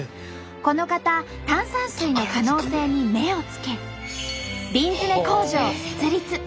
この方炭酸水の可能性に目をつけ瓶詰め工場を設立。